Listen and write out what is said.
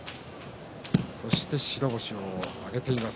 そして白星を挙げています